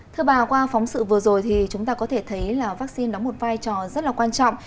thưa bà qua phóng sự vừa rồi thì chúng ta có thể thấy là vaccine đóng một vai trò rất là quan trọng